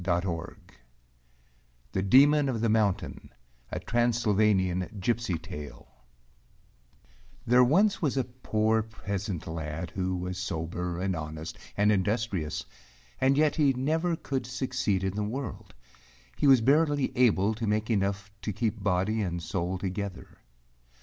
179 THE DEMON OF THE MOUNTAIN A Transylvanian Gipsy Tale There was once a poor peasant lad who was sober and honest and industrious, and yet he never could succeed in the world; he was barely able to make enough to keep body and soul together.